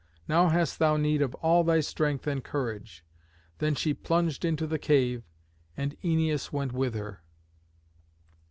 Now hast thou need of all thy strength and courage." Then she plunged into the cave, and Æneas went with her.